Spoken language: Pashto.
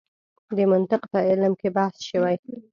د منطق په علم کې بحث شوی.